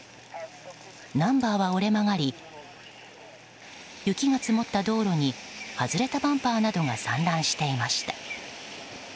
ナンバーは折れ曲がり雪が積もった道路に外れたバンパーなどが散乱していました。